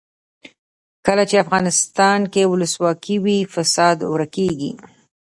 کله چې افغانستان کې ولسواکي وي فساد ورک کیږي.